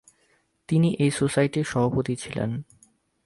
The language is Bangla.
তিনি এই সোসাইটির সভাপতি ছিলেন।